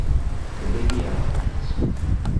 The Baby Elephant